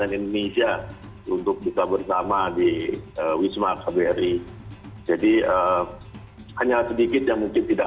keamanan indonesia untuk kita bersama di wisma akademi jadi hanya sedikit yang mungkin tidak